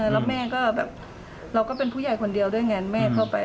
แล้วเราก็เป็นผู้ใหญ่คนเดียวด้วยงานแม่เข้าไป